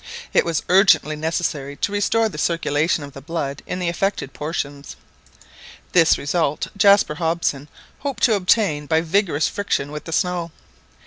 It was urgently necessary to restore the circulation of the blood in the affected portions. This result Jaspar Hobson hoped to obtain by vigorous friction with the snow.